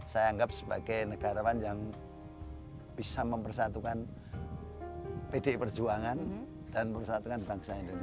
saya anggap sebagai negarawan yang bisa mempersatukan pdi perjuangan dan mempersatukan bangsa indonesia